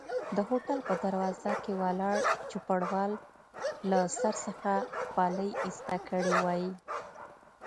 د هوټل په دروازه کې ولاړ چوپړوال له سر څخه خولۍ ایسته کړي وای.